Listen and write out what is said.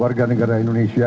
warga negara indonesia